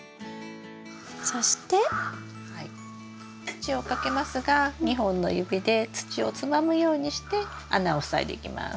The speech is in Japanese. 土をかけますが２本の指で土をつまむようにして穴を塞いでいきます。